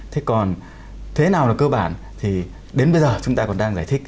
thế còn thế nào là cơ bản thì đến bây giờ chúng ta còn đang giải thích